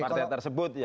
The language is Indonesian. partai tersebut ya